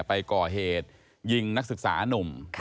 ไปก่อเหตุยิงนักศึกษานุ่ม